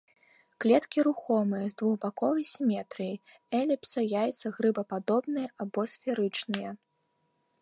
Клеткі рухомыя, з двухбаковай сіметрыяй, эліпса-, яйца-, грыбападобныя або сферычныя.